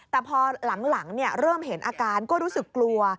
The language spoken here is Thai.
แต่พอหลังเริ่มเห็นอาการก็รู้สึกกลัว